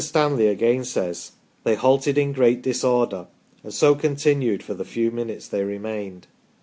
Stan ley, again, says :" They halted in great disorder, and so continued for the few minutes they remained.